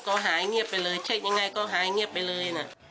ก็หายเงียบไปเลยเช็คยังไงก็หายเงียบไปเลยนะ